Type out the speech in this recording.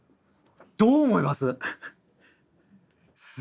どう思います？